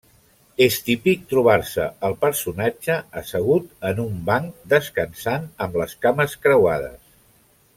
És típic trobar-se el personatge assegut en un banc descansant amb les cames creuades.